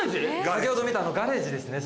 先ほど見たガレージですね。